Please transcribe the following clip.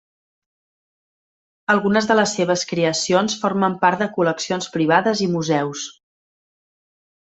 Algunes de les seves creacions formen part de col·leccions privades i museus.